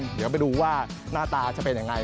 เดี๋ยวเขาไปดูว่าหน้าตาจะเป็นอย่างไรครับ